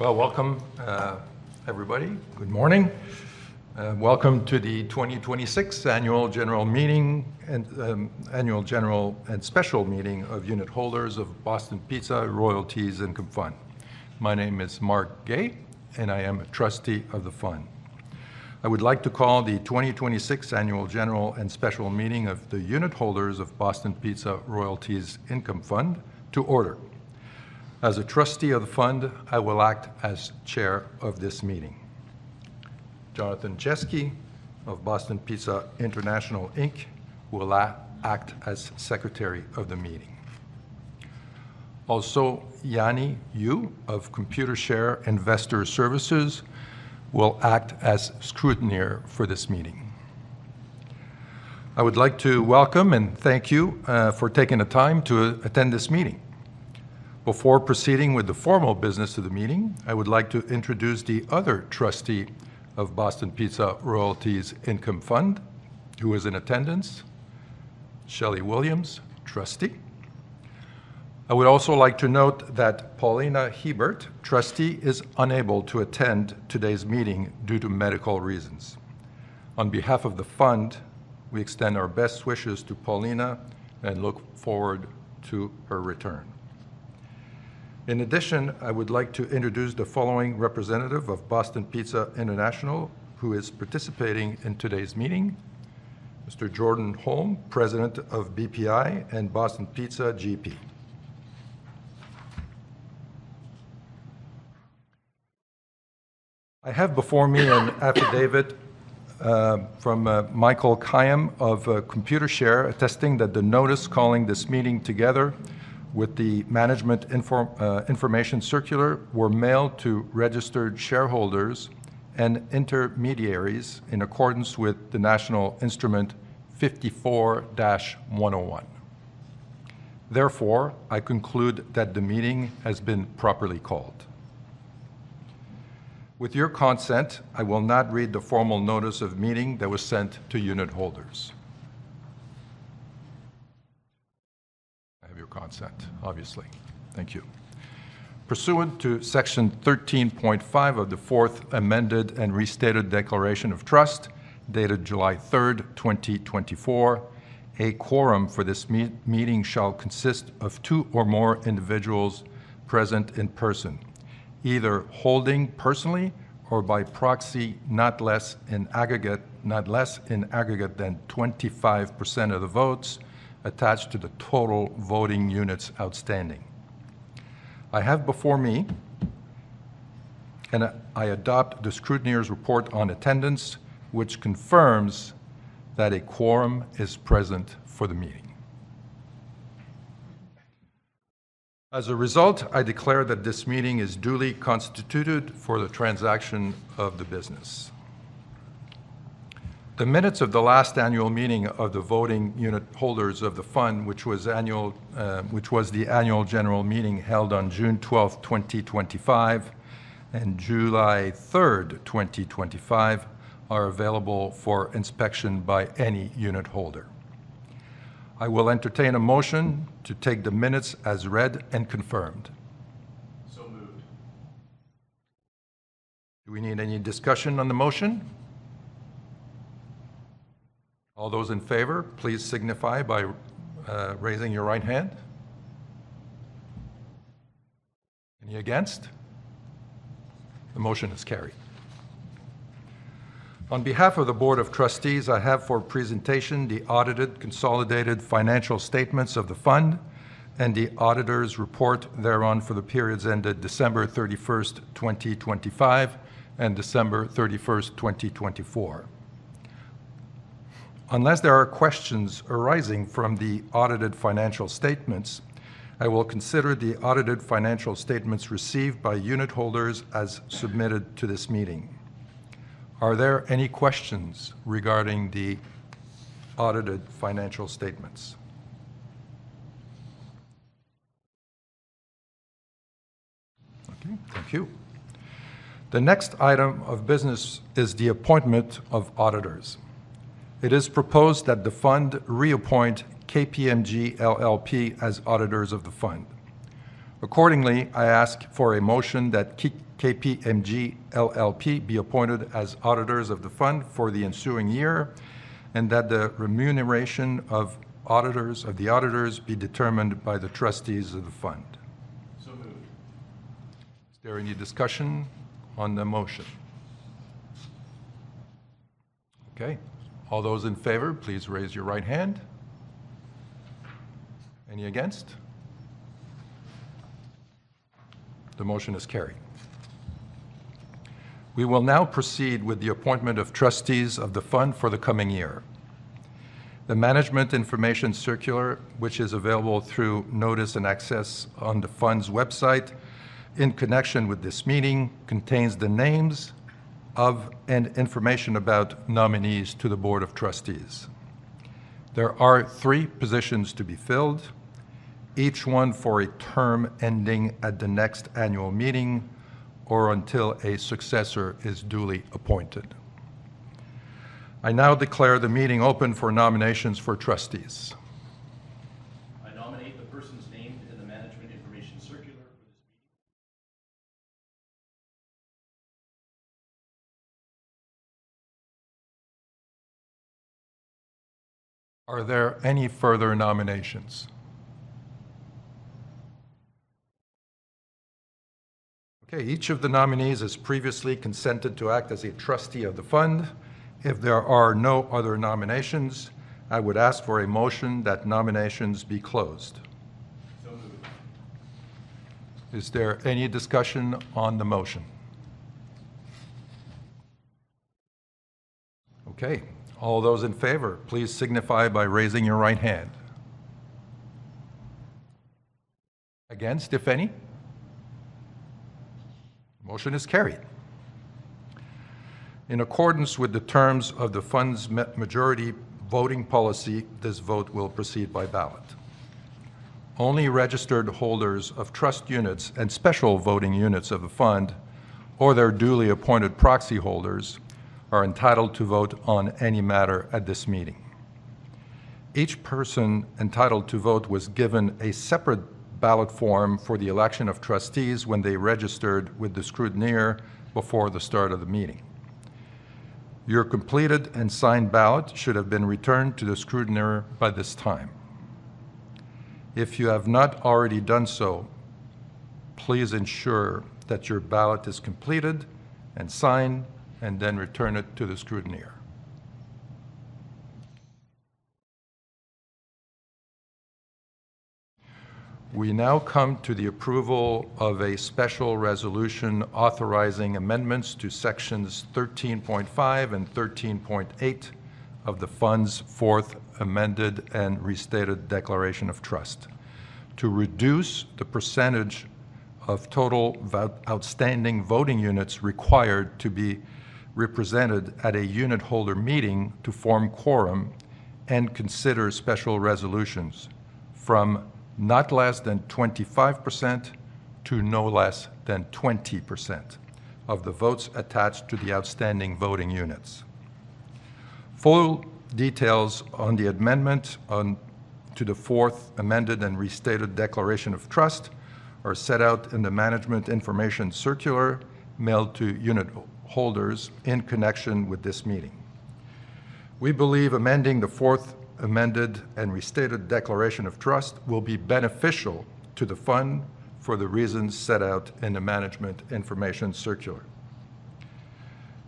Welcome, everybody. Good morning. Welcome to the 2026 Annual General and Special Meeting of unitholders of Boston Pizza Royalties Income Fund. My name is Marc Guay, I am a trustee of the fund. I would like to call the 2026 Annual General and Special Meeting of the unitholders of Boston Pizza Royalties Income Fund to order. As a trustee of the fund, I will act as chair of this meeting. Jonathan Jeske of Boston Pizza International Inc. will act as secretary of the meeting. Yanne Yu of Computershare Investor Services will act as scrutineer for this meeting. I would like to welcome and thank you for taking the time to attend this meeting. Before proceeding with the formal business of the meeting, I would like to introduce the other trustee of Boston Pizza Royalties Income Fund, who is in attendance, Shelley Williams, trustee. I would also like to note that Paulina Hiebert, trustee, is unable to attend today's meeting due to medical reasons. On behalf of the fund, we extend our best wishes to Paulina and look forward to her return. I would like to introduce the following representative of Boston Pizza International, who is participating in today's meeting, Mr. Jordan Holm, President of BPI and Boston Pizza GP. I have before me an affidavit from Michael Kim of Computershare attesting that the notice calling this meeting, together with the management information circular, were mailed to registered shareholders and intermediaries in accordance with the National Instrument 54-101. I conclude that the meeting has been properly called. With your consent, I will not read the formal notice of meeting that was sent to unitholders. I have your consent, obviously. Thank you. Pursuant to Section 13.5 of the Fourth Amended and Restated Declaration of Trust, dated July 3rd, 2024, a quorum for this meeting shall consist of two or more individuals present in person, either holding personally or by proxy, not less in aggregate than 25% of the votes attached to the total voting units outstanding. I have before me, I adopt the scrutineer's report on attendance, which confirms that a quorum is present for the meeting. I declare that this meeting is duly constituted for the transaction of the business. The minutes of the last annual meeting of the voting unitholders of the fund, which was the annual general meeting held on June 12th, 2025, and July 3rd, 2025, are available for inspection by any unitholder. I will entertain a motion to take the minutes as read and confirmed. Moved. Do we need any discussion on the motion? All those in favor, please signify by raising your right hand. Any against? The motion is carried. On behalf of the Board of Trustees, I have for presentation the audited consolidated financial statements of the fund and the auditors' report thereon for the periods ended December 31st, 2025, and December 31st, 2024. Unless there are questions arising from the audited financial statements, I will consider the audited financial statements received by unitholders as submitted to this meeting. Are there any questions regarding the audited financial statements? Thank you. The next item of business is the appointment of auditors. It is proposed that the fund reappoint KPMG LLP as auditors of the fund. Accordingly, I ask for a motion that KPMG LLP be appointed as auditors of the fund for the ensuing year and that the remuneration of the auditors be determined by the trustees of the fund. So moved. Is there any discussion on the motion? Okay. All those in favor, please raise your right hand. Any against? The motion is carried. We will now proceed with the appointment of trustees of the fund for the coming year. The management information circular, which is available through Notice and Access on the fund's website in connection with this meeting, contains the names of and information about nominees to the board of trustees. There are three positions to be filled, each one for a term ending at the next annual meeting or until a successor is duly appointed. I now declare the meeting open for nominations for trustees. The person's name in the management information circular for this meeting- Are there any further nominations? Okay, each of the nominees has previously consented to act as a trustee of the fund. If there are no other nominations, I would ask for a motion that nominations be closed. So moved. Is there any discussion on the motion? Okay, all those in favor, please signify by raising your right hand. Against, if any? Motion is carried. In accordance with the terms of the fund's majority voting policy, this vote will proceed by ballot. Only registered holders of trust units and special voting units of the fund, or their duly appointed proxy holders, are entitled to vote on any matter at this meeting. Each person entitled to vote was given a separate ballot form for the election of trustees when they registered with the scrutineer before the start of the meeting. Your completed and signed ballot should have been returned to the scrutineer by this time. If you have not already done so, please ensure that your ballot is completed and signed, and then return it to the scrutineer. We now come to the approval of a special resolution authorizing amendments to sections 13.5 and 13.8 of the fund's Fourth Amended and Restated Declaration of Trust to reduce the percentage of total outstanding voting units required to be represented at a unit holder meeting to form quorum and consider special resolutions from not less than 25% to no less than 20% of the votes attached to the outstanding voting units. Full details on the amendment to the Fourth Amended and Restated Declaration of Trust are set out in the management information circular mailed to unit holders in connection with this meeting. We believe amending the Fourth Amended and Restated Declaration of Trust will be beneficial to the fund for the reasons set out in the management information circular.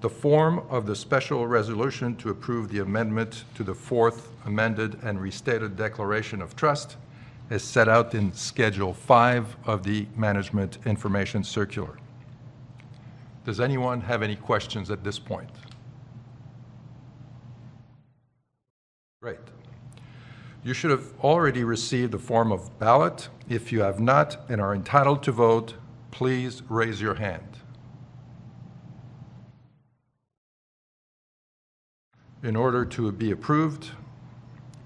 The form of the special resolution to approve the amendment to the Fourth Amended and Restated Declaration of Trust is set out in Schedule 5 of the management information circular. Does anyone have any questions at this point? Great. You should have already received a form of ballot. If you have not and are entitled to vote, please raise your hand. In order to be approved,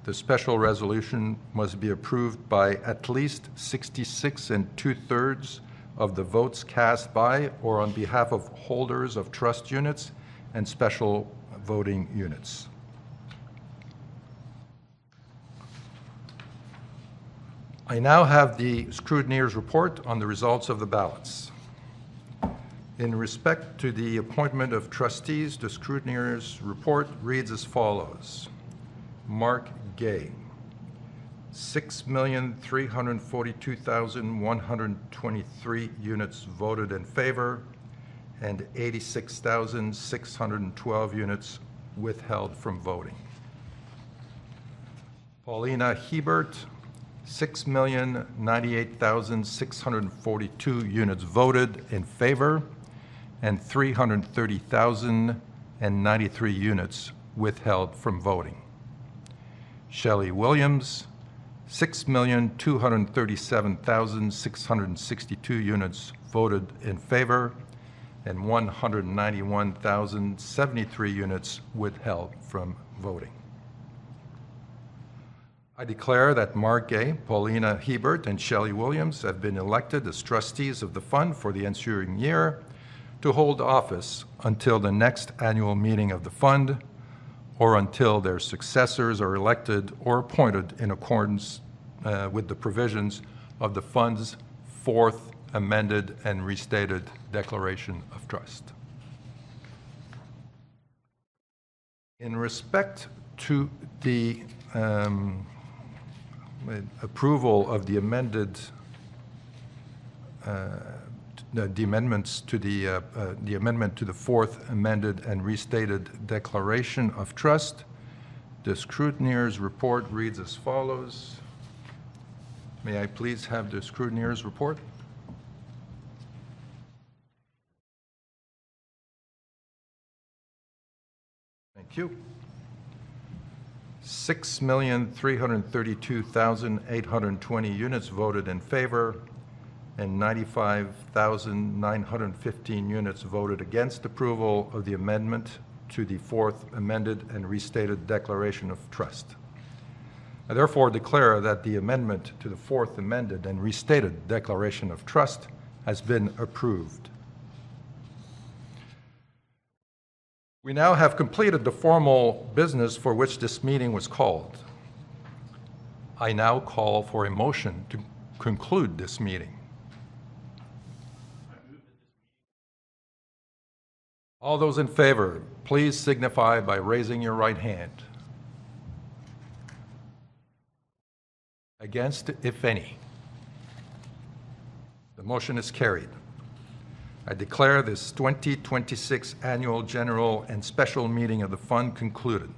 the special resolution must be approved by at least 66 and 2/3 of the votes cast by or on behalf of holders of trust units and special voting units. I now have the scrutineer's report on the results of the ballots. In respect to the appointment of trustees, the scrutineer's report reads as follows. Marc Guay, 6,342,123 units voted in favor and 86,612 units withheld from voting. Paulina Hiebert, 6,098,642 units voted in favor and 330,093 units withheld from voting. Shelley Williams, 6,237,662 units voted in favor and 191,073 units withheld from voting. I declare that Marc Guay, Paulina Hiebert, and Shelley Williams have been elected as trustees of the fund for the ensuing year to hold office until the next annual meeting of the fund or until their successors are elected or appointed in accordance with the provisions of the fund's Fourth Amended and Restated Declaration of Trust. In respect to the amendment to the Fourth Amended and Restated Declaration of Trust, the scrutineer's report reads as follows. May I please have the scrutineer's report? Thank you. 6,332,820 units voted in favor and 95,915 units voted against approval of the amendment to the Fourth Amended and Restated Declaration of Trust. I therefore declare that the amendment to the Fourth Amended and Restated Declaration of Trust has been approved. We now have completed the formal business for which this meeting was called. I now call for a motion to conclude this meeting. All those in favor, please signify by raising your right hand. Against, if any. The motion is carried. I declare this 2026 annual general and special meeting of the fund concluded.